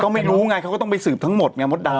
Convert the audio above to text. ก็ไม่รู้ไงเขาก็ต้องไปสืบทั้งหมดไงมดดำ